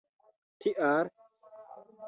tial